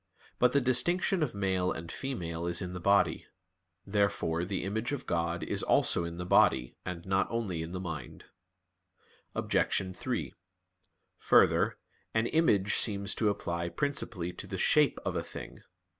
But the distinction of male and female is in the body. Therefore the image of God is also in the body, and not only in the mind. Obj. 3: Further, an image seems to apply principally to the shape of a thing.